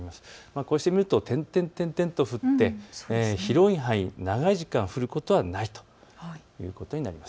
こうして見ると点々点々と降って広い範囲、長い時間降ることはないということになります。